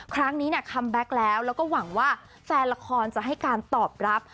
ครั้งนี้เนี่ยคัมแบ็คแล้วแล้วก็หวังว่าแฟนละครจะให้การตอบรับ